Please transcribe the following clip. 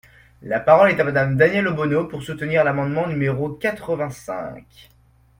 La parole est à Madame Danièle Obono, pour soutenir l’amendement numéro quatre-vingt-cinq.